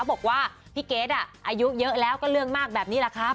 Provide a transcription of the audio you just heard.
บอกว่าพี่เกดอายุเยอะแล้วก็เรื่องมากแบบนี้แหละครับ